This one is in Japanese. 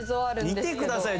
見てください